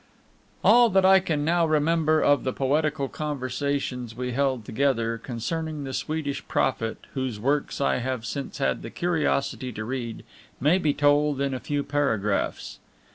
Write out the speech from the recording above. All that I can now remember of the poetical conversations we held together concerning the Swedish prophet, whose works I have since had the curiosity to read, may be told in a few paragraphs.